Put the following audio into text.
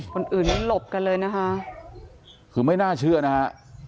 คนอื่นนั้นหลบกันเลยนะคะคือไม่น่าเชื่อนะฮะ